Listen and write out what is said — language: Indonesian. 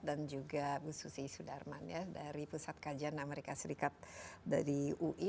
dan juga bu susi sudarman ya dari pusat kajian amerika serikat dari ui